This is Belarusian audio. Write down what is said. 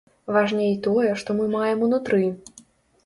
Важней тое, што мы маем унутры.